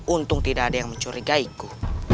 untung tidak ada yang mencurigaiku